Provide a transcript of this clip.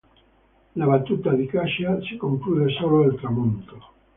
La battuta di caccia si conclude solo al tramonto.